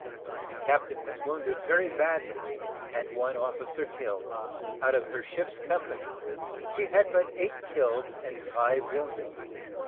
The captain was wounded very badly, and one officer killed. Out of her ship's company, she had but eight killed and five wounded.